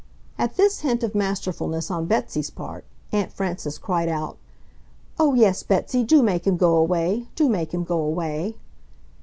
At this hint of masterfulness on Betsy's part, Aunt Frances cried out, "Oh, yes, Betsy, DO make him go away! Do make him go away!"